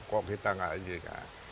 kok kita nggak ada juga